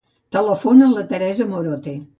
Telefona a la Teresa Morote.